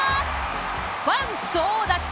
ファン総立ち！